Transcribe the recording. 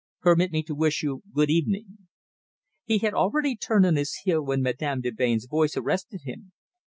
Permit me to wish you good evening!" He had already turned on his heel when Madame de Melbain's voice arrested him.